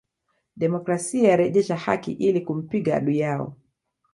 Demokrasia rejesha haki ili kumpiga adui yao